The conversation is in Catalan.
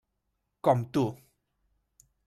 Com tu.